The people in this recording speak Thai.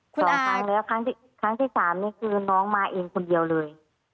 ๒ครั้งแล้วครั้งที่๓นี่คือน้องมาเองคนเดียวเลย